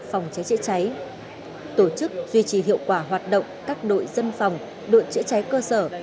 phòng cháy chữa cháy tổ chức duy trì hiệu quả hoạt động các đội dân phòng đội chữa cháy cơ sở